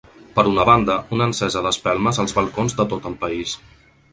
Per una banda, una encesa d’espelmes als balcons de tot el país.